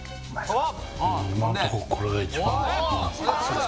あっ！